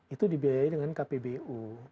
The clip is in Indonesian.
itu dibiayai dengan kpbu